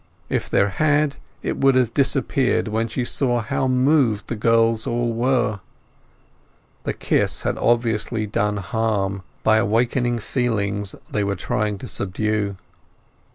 If there had it would have disappeared when she saw how moved the girls all were. The kiss had obviously done harm by awakening feelings they were trying to subdue.